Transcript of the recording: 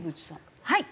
はい。